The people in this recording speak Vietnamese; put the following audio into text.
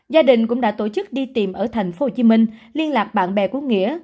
gia đình cũng đã tổ chức đi tìm ở thành phố hồ chí minh liên lạc bạn bè của nghĩa